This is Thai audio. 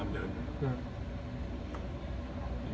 อ๋อหลบหลบ